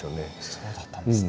そうだったんですね。